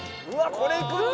これいくんだ！